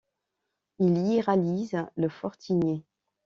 Il y réalise le Fort Tigné.